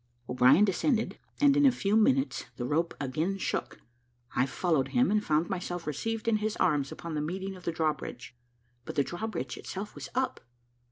O'Brien descended, and in a few minutes the rope again shook; I followed him, and found myself received in his arms upon the meeting of the drawbridge; but the drawbridge itself was up.